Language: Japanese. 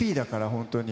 本当に。